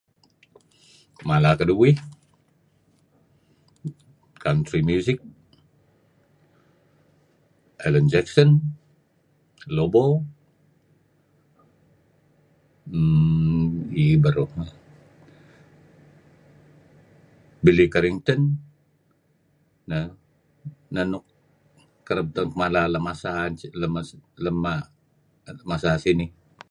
Mala keduih, Country music, Alan Jackson, Lobo err iih beruh Billy Carrington, neh kereb tu'en kuh mala masa sinih.